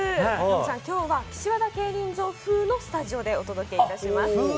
きょうは岸和田競輪場風のスタジオでお届けいたします。